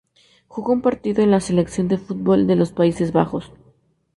Jugó un partido con la selección de fútbol de los Países Bajos.